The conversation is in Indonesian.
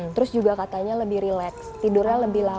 terus juga katanya lebih relax tidurnya lebih lama